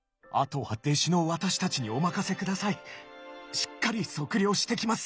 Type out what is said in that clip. しっかり測量してきます！